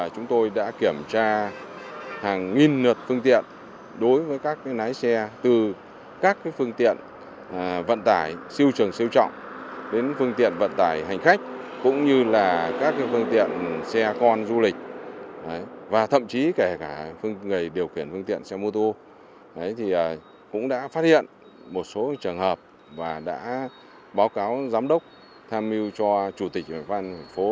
cũng đã phát hiện một số trường hợp và đã báo cáo giám đốc tham mưu cho chủ tịch hội văn phố